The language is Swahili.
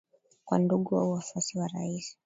kwa ndugu au wafuasi wa rais